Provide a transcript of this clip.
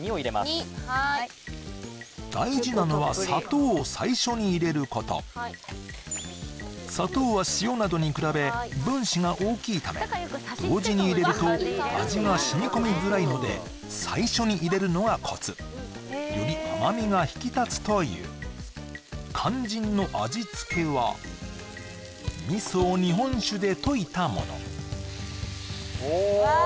２はーい大事なのは砂糖を最初に入れること砂糖は塩などに比べ分子が大きいため同時に入れると味が染み込みづらいので最初に入れるのがコツという肝心の味付けは味噌を日本酒で溶いたものわあ